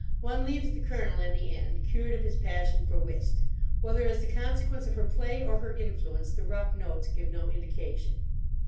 One leaves the Colonel, in the end, cured of his passion for whist. Whether as the consequence of her play or her influence the "Rough Notes" give no indication.